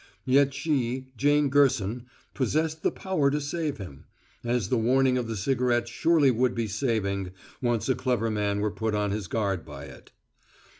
Yet she, Jane Gerson, possessed the power to save him as the warning of the cigarette surely would be saving, once a clever man were put on his guard by it.